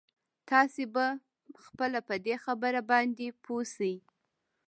تاسې به خپله په دې خبره باندې پوه شئ.